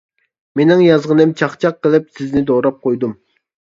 مېنىڭ يازغىنىم چاقچاق قىلىپ، سىزنى دوراپ قويدۇم.